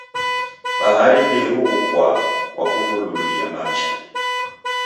Bahari ndeiruwukwaa kwa kuvululia machi.